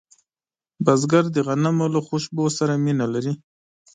بزګر د غنمو له خوشبو سره مینه لري